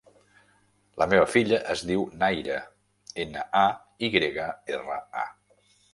La meva filla es diu Nayra: ena, a, i grega, erra, a.